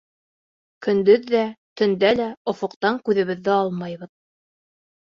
Көндөҙ ҙә, төндә лә офоҡтан күҙебеҙҙе алмайбыҙ.